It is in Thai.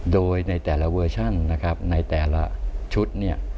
โดยในแต่ละเวอร์ชั่นในแต่ละชุด